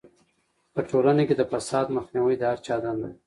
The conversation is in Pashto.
په ټولنه کې د فساد مخنیوی د هر چا دنده ده.